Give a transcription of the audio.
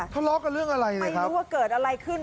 ทะเลาะกันเรื่องอะไรไม่รู้ว่าเกิดอะไรขึ้น